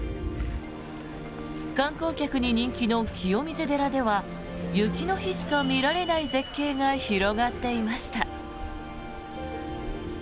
観光客に人気の清水寺では雪の日しか見られない絶景が広がっていました。